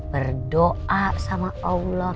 berdoa sama allah